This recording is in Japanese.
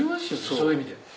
そういう意味で」